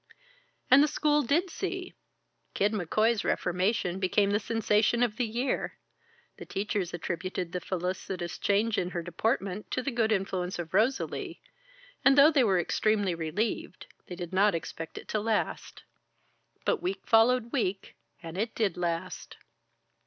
And the school did see. Kid McCoy's reformation became the sensation of the year. The teachers attributed the felicitous change in her deportment to the good influence of Rosalie, and though they were extremely relieved, they did not expect it to last. But week followed week, and it did last.